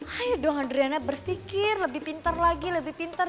ayo dong adriana berpikir lebih pintar lagi lebih pintar